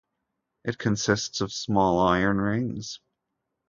It consists of small iron rings.